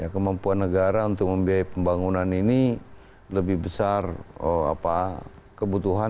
kemampuan negara untuk membiayai pembangunan ini lebih besar kebutuhan